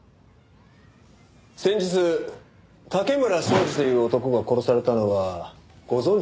先日竹村彰二という男が殺されたのはご存じですよね？